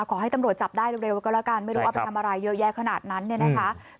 ขอให้ตำรวจจับได้เร็วก็แล้วกันไม่รู้เอาไปทำอะไรเยอะแยะขนาดนั้นเนี่ยนะคะ